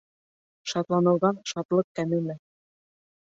Шатланыуҙан шатлыҡ кәмемәҫ.